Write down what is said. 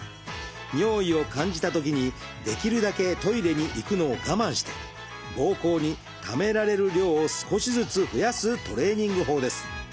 尿意を感じたときにできるだけトイレに行くのを我慢してぼうこうにためられる量を少しずつ増やすトレーニング法です。